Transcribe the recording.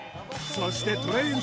そしてトレエン